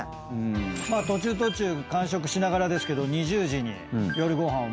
途中途中間食しながらですけど２０時に夜ご飯を迎えます。